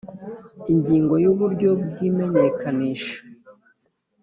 Ingingo y uburyo bw imenyekanisha